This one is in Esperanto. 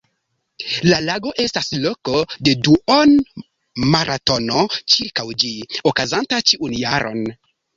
La lago estas loko de duon-maratono ĉirkaŭ ĝi, okazanta ĉiun jaron.